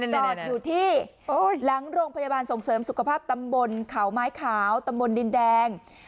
จอดอยู่ที่หลังโรงพยาบาลส่งเสริมสุขภาพตำบลเขาไม้ขาวตำบลดินแดง